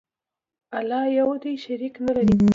الله یو دی، شریک نه لري.